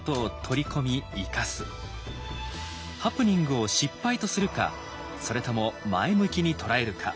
ハプニングを失敗とするかそれとも前向きに捉えるか